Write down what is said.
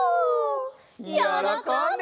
よろこんで！